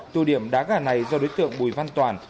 tụ điểm đá gà này do đối tượng bùi văn toàn